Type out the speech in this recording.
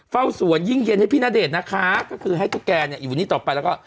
เฝ้าสวนยิ่งเย็นให้พี่ณเดชน์นะคะก็คือให้ตุ๊กแกเนี่ยอยู่นี่ต่อไปแล้วก็